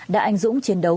đã anh dũng chiến đấu